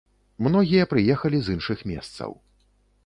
Многія прыехалі з іншых месцаў.